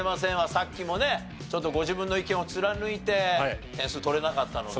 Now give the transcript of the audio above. さっきもねご自分の意見を貫いて点数取れなかったので。